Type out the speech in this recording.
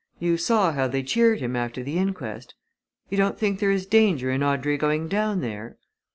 You saw how they cheered him after the inquest? You don't think there is danger in Audrey going down there?"